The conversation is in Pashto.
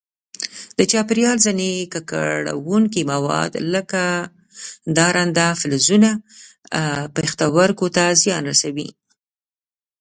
د چاپېریال ځیني ککړونکي مواد لکه درانده فلزونه پښتورګو ته زیان رسوي.